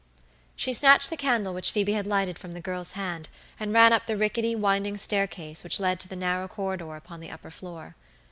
She snatched the candle which Phoebe had lighted from the girl's hand and ran up the rickety, winding staircase which led to the narrow corridor upon the upper floor.